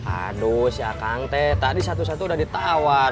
aduh si akang teh tadi satu satu udah ditawar